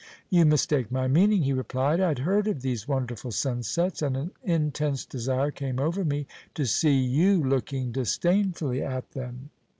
"You mistake my meaning," he replied. "I had heard of these wonderful sunsets, and an intense desire came over me to see you looking disdainfully at them.